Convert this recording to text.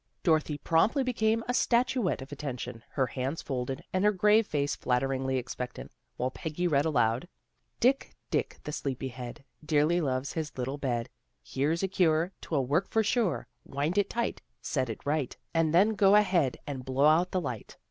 " Dorothy promptly became a statuette of attention, her hands folded, and her grave face flatteringly expectant, while Peggy read aloud. " Dick, Dick, the sleepy head, Dearly loves his little bed. Here's a cure; 'twill work for sure, Wind it tight. Set it right, And then go ahead and Blow out the light.